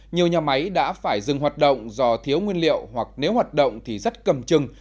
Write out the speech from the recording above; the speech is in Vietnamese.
nhiều nhà máy đã phải dừng hoạt động do thiếu nguyên liệu hoặc nếu hoạt động thì rất cầm chừng